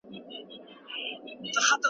دا کتاب د محصلینو لپاره ګټور دی.